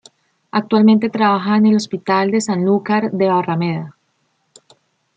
Actualmente trabaja en el hospital de Sanlúcar de Barrameda.